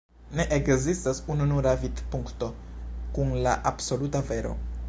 Ne ekzistas ununura vidpunkto kun la absoluta vero.